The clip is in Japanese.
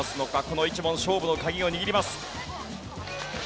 この１問勝負の鍵を握ります。